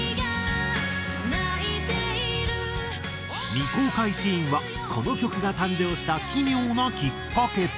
未公開シーンはこの曲が誕生した奇妙なきっかけ。